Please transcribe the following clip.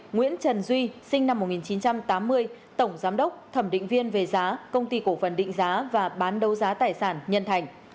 nguyễn trần duy sinh năm một nghìn chín trăm tám mươi tổng giám đốc thẩm định viên về giá công ty cổ phần định giá và bán đấu giá tài sản nhân thành